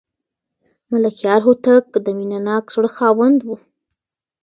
ملکیار هوتک د مینه ناک زړه خاوند و.